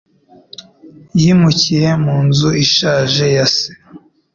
Yimukiye mu nzu ishaje ya se.